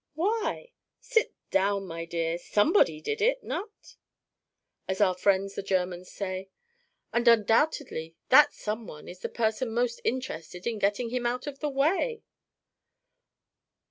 "Why? Sit down, my dear. Somebody did it not? as our friends the Germans say. And undoubtedly that some one is the person most interested in getting him out of the way."